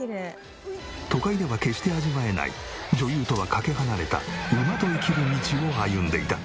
都会では決して味わえない女優とはかけ離れた馬と生きる道を歩んでいた。